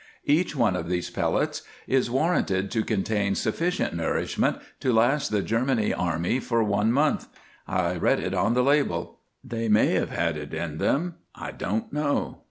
Each one of these pellets is warranted to contain sufficient nourishment to last the Germany army for one month. I read it on the label. They may have had it in them; I don't know.